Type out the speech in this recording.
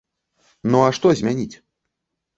Ну, а што змяніць?